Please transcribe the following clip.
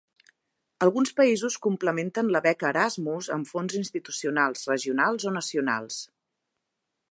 Alguns països complementen la beca Erasmus amb fons institucionals, regionals o nacionals.